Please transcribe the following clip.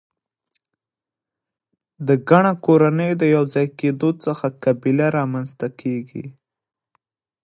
د ګڼو کورنیو د یو ځای کیدو څخه قبیله رامنځ ته کیږي.